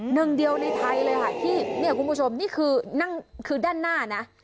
หนึ่งเดียวในไทยเลยค่ะที่เนี่ยคุณผู้ชมนี่คือนั่งคือด้านหน้านะ